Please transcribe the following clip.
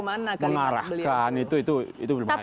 tapi kalau mengarahkan itu belum ada